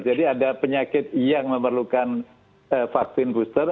ada penyakit yang memerlukan vaksin booster